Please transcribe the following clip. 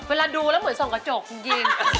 เวลาดูแล้วเหมือนส่องกระจกจริง